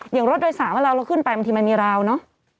รถโดยสารเวลาเราขึ้นไปบางทีมันมีราวเนอะ